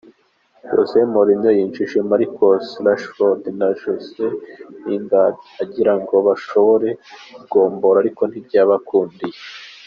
Jose Mourinho yinjije Marcus Rashford na Jesse Lingard agira ngo bashobore kugombora ariko ntibyabakundiye.